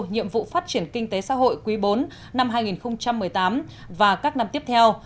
nhiệm vụ phát triển kinh tế xã hội quý bốn năm hai nghìn một mươi tám và các năm tiếp theo